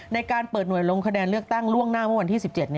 ในการเปิดหน่วยลงคะแนนเลือกตั้งล่วงหน้าเมื่อวันที่๑๗